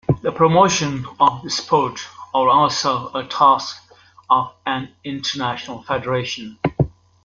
The promotion of the sport are also a task of an international federation.